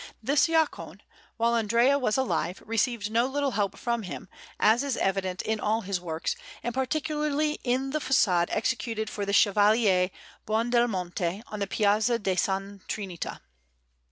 This Jacone, while Andrea was alive, received no little help from him, as is evident in all his works, and particularly in the façade executed for the Chevalier Buondelmonti on the Piazza di S. Trinita.